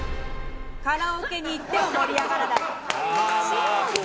カラオケに行っても盛り上がらない。